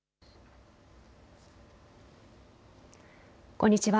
こんにちは。